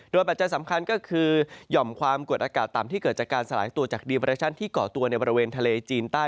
ปัจจัยสำคัญก็คือหย่อมความกดอากาศต่ำที่เกิดจากการสลายตัวจากดีเรชั่นที่เกาะตัวในบริเวณทะเลจีนใต้